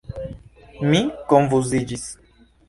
Mi konfuziĝis.